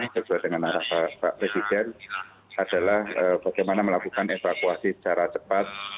sesuai dengan arah pak presiden adalah bagaimana melakukan evakuasi secara cepat